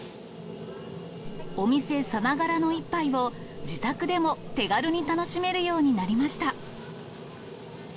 お店さながらの一杯を、自宅でも手軽に楽しめるようになりました。